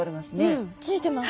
うんついてます。